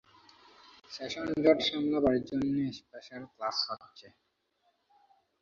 Session জট সামলাবার জন্যে স্পেশাল ক্লাস হচ্ছে।